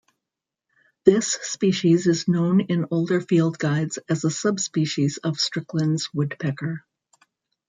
This species is known in older field guides as a subspecies of Strickland's woodpecker.